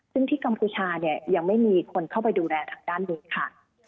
ซึ่งที่กัมพูชาเนี่ยยังไม่มีคนเข้าไปดูแลทางด้านนี้ค่ะ